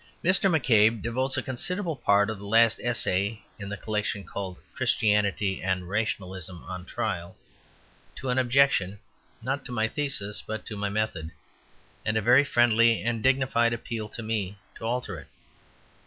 Mr. McCabe devotes a considerable part of the last essay in the collection called "Christianity and Rationalism on Trial" to an objection, not to my thesis, but to my method, and a very friendly and dignified appeal to me to alter it.